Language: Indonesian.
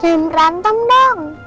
jangan merantem dong